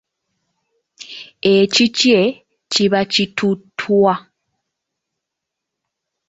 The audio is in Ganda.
Ekikye kiba kituttwa.